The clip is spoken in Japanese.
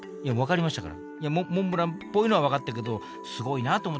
いやモンブランっぽいのは分かったけどすごいなと思って。